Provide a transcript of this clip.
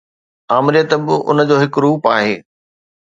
آمريت به ان جو هڪ روپ آهي.